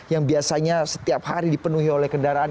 yang biasanya setiap hari dipenuhi oleh kendaraan